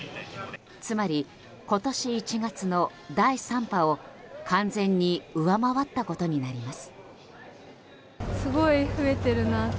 つまり今年１月の第３波を完全に上回ったことになります。